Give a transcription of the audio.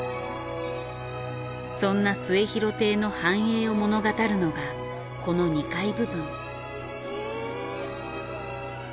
そんな『末廣亭』の繁栄を物語るのがこの２階部分。